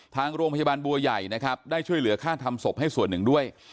ทางโรงพยาบาลบัวใหญ่นะครับได้ช่วยเหลือค่าทำศพให้ส่วนหนึ่งด้วย